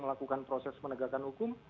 melakukan proses penegakan hukum